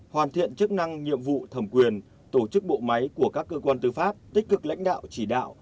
hoàn thiện chức năng nhiệm vụ thẩm quyền tổ chức bộ máy của các cơ quan tư pháp tích cực lãnh đạo chỉ đạo